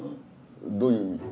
どういう意味？